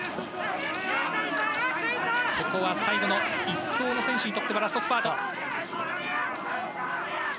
ここは最後の１走の選手にとってはラストスパート。